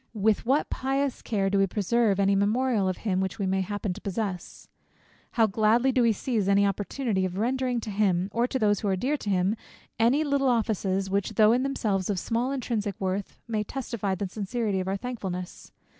With what pious care do we preserve any memorial of him, which we may happen to possess? How gladly do we seize any opportunity of rendering to him, or to those who are dear to him, any little good offices, which, though in themselves of small intrinsic worth, may testify the sincerity of our thankfulness!